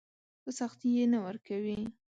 په سختي يې نه ورکوي.